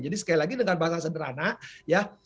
jadi sekali lagi dengan bahasa sederhana ya